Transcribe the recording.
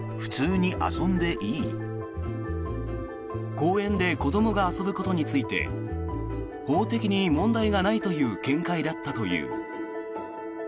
公園で子どもが遊ぶことについて法的に問題がないという見解だったという。